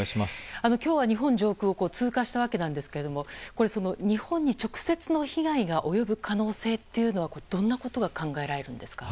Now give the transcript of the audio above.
今日は日本上空を通過したわけですが日本に直接の被害が及ぶ可能性というのはどんなことが考えられますか。